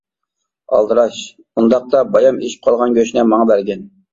ئالدىراش:-ئۇنداقتا بايام ئېشىپ قالغان گۆشنى ماڭا بەرگىن.